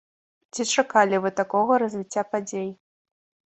Ці чакалі вы такога развіцця падзей?